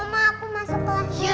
oma aku masuk kelas dulu ya